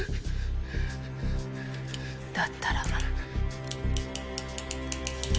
だったら。